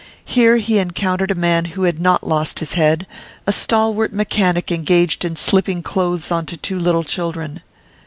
Here he encountered a man who had not lost his head, a stalwart mechanic engaged in slipping clothes on to two little children.